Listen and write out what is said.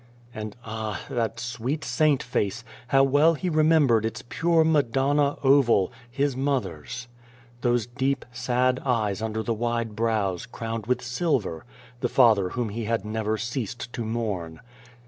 And, ah! that sweet saint face! how well he remembered its pure Madonna oval! his mother's. ... Those deep, sad eyes under the wide brows, crowned with silver the father whom he had never ceased to mourn!